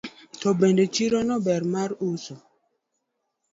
To bende chirono ber mar uso.